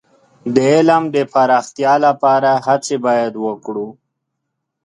د علم د پراختیا لپاره هڅې باید وکړو.